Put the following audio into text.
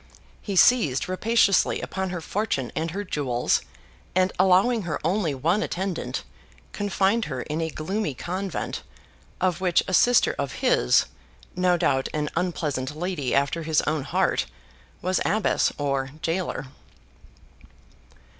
He seized rapaciously upon her fortune and her jewels, and allowing her only one attendant, confined her in a gloomy convent, of which a sister of his—no doubt an unpleasant lady after his own heart—was abbess or jailer.